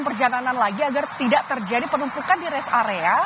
jangan jangan lagi agar tidak terjadi penumpukan di res area